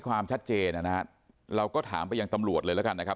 ความชัดเจนนะครับเราก็ถามไปยังตำรวจเลยแล้วกันนะครับ